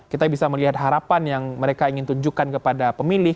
kita bisa melihat harapan yang mereka ingin tunjukkan kepada pemilih